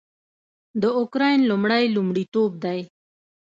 د اوکراین لومړی لومړیتوب دی